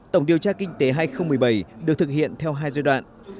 tổng điều tra kinh tế hai nghìn một mươi bảy được thực hiện theo hai giai đoạn